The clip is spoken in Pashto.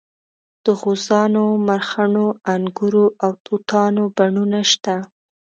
د غوزانو مرخڼو انګورو او توتانو بڼونه شته.